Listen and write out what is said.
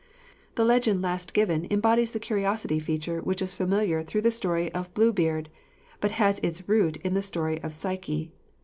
The legend last given embodies the curiosity feature which is familiar through the story of Bluebeard, but has its root in the story of Psyche.